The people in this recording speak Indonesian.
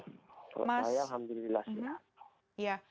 kalau saya alhamdulillah sehat